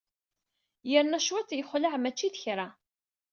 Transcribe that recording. Yerna cwiṭ, yexleɛ mačči d kra.